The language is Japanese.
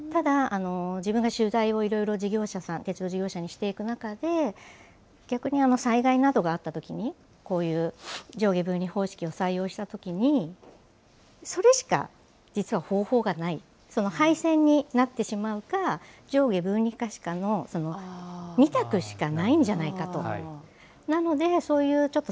ただ、自分が取材をいろいろ事業者さん、鉄道事業者にしていく中で、逆に災害などがあったときに、こういう上下分離方式を採用したときに、それしか実は方法がない、廃線になってしまうか、上下分離かしかのその２択しかないんじゃないかと。